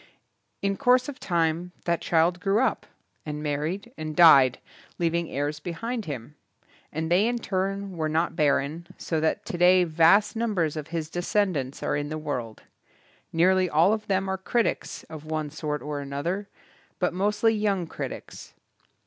In course of time that child grew up, and married, and died leaving heirs behind him. And they in turn were not barren, so that today vast numbers of his descendants are in the world. Nearly all of them are critics of one sort or another, but mostly young critics.